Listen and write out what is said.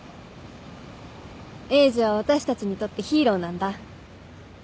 エイジは私たちにとってヒーローなんだ。